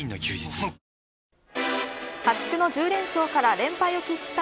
あふっ破竹の１０連勝から連敗を喫した